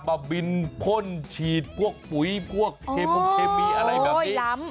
มาบินพ่นฉีดพวกปุ๋ยพวกเคมงเคมีอะไรแบบนี้